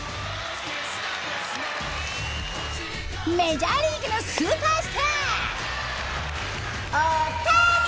メジャーリーグのスーパースターオオタニサーン！